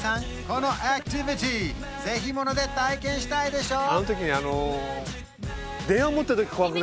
このアクティビティぜひもので体験したいでしょ？